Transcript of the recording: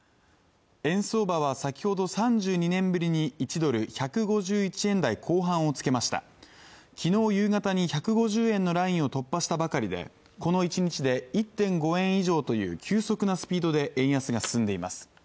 円相場は先ほど３２年ぶりに１ドル＝１５１円台後半をつけました昨日夕方１５０円のラインを突破したばかりでこの１日で１．５円以上という急速なスピードで円安が進んでいます